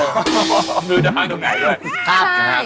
มือด้านตรงไหนเลย